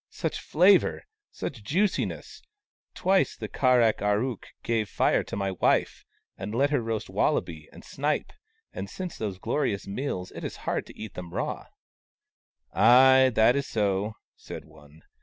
" Such flavour ! Such juiciness ! Twice the Kar ak ar ook gave Fire to my wife, and let her roast wallaby and snipe — and since those glorious meals it is hard to eat them raw." " Ay, that is so," said one.